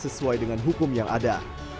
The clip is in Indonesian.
dan tidak sesuai dengan hukum yang ada